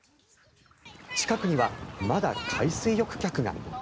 近くにはまだ海水浴客が。